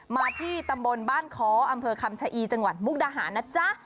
มาที่ตำบลบ้านค้ออำเภอคำชะอีจังหวัดมุกดาหารนะจ๊ะ